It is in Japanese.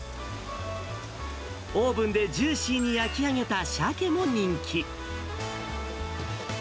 オーブンでジューシーに焼き上げたシャケも人気。